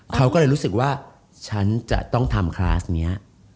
เขาก็เลยรู้สึกว่าฉันจะต้องทำคลาสนี้